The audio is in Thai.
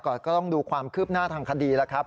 ก็ต้องดูความคืบหน้าทางคดีแล้วครับ